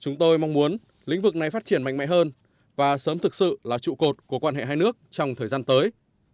chúng tôi mong muốn lĩnh vực này phát triển mạnh mẽ hơn và sớm thực sự là trụ cột của quan hệ hai nước trong thời gian tới